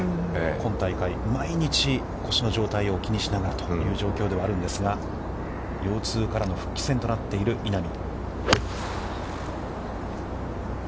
今大会、毎日、腰の状態を気にしながらという状況ではあるんですが、腰痛からの復帰戦となっている稲見。